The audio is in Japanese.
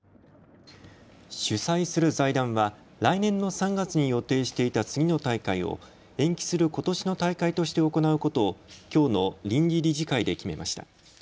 主催する財団は来年の３月に予定していた次の大会を延期することしの大会として行うことを、きょうの臨時理事会で決めました。